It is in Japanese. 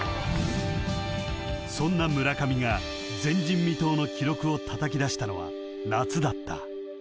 ［そんな村上が前人未到の記録をたたきだしたのは夏だった］